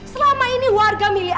selama ini warga milih